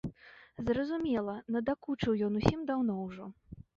Зразумела, надакучыў ён усім даўно ўжо.